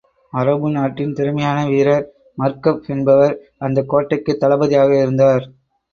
அரபு நாட்டின் திறமையான வீரர் மர்ஹப் என்பவர் அந்தக் கோட்டைக்குத் தளபதியாக இருந்தார்.